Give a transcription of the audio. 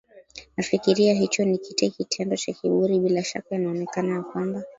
nafikiri hicho ni kite kitendo cha kiburi bila shaka inaonekana ya kwamba